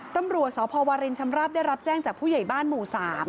ตำรวจสพวรินชำราบได้รับแจ้งจากผู้ใหญ่บ้านหมู่๓